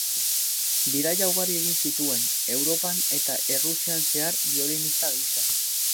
Bidaia ugari egin zituen Europan eta Errusian zehar biolinista gisa.